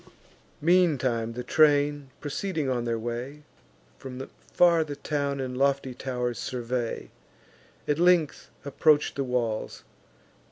Meantime the train, proceeding on their way, From far the town and lofty tow'rs survey; At length approach the walls.